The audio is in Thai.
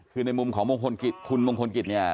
คือในมุมของมงคลกิจคุณมงคลกิจเนี่ย